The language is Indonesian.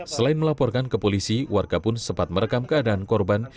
selain melaporkan ke polisi warga pun sempat merekam keadaan korban